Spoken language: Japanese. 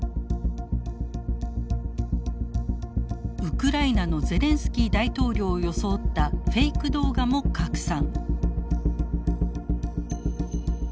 ウクライナのゼレンスキー大統領を装ったフェイク動画も拡散。